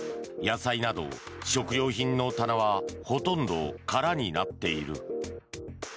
野菜など食料品の棚はほとんど空になっている。